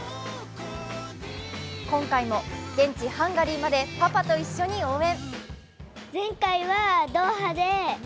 今回も現地・ハンガリーまでパパと一緒に応援。